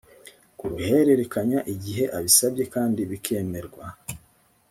kuruhererekanya igihe abisabye kandi bikemerwa